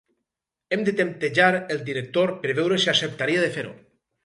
Hem de temptejar el director per veure si acceptaria fer-ho.